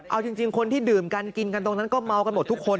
เอาจริงคนที่ดื่มกันกินกันตรงนั้นก็เมากันหมดทุกคน